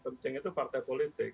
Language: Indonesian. penting itu partai politik